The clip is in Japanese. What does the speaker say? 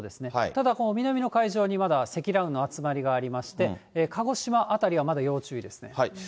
ただこの南の海上にまだ積乱雲の集まりがありまして、鹿児島辺りはまだ要注意ですね。